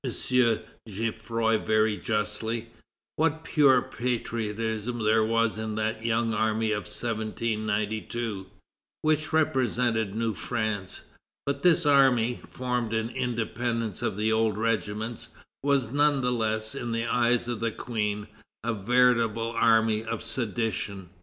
Geffroy very justly, "what pure patriotism there was in that young army of 1792, which represented new France. But this army, formed in independence of the old regiments, was none the less, in the eyes of the Queen, a veritable army of sedition.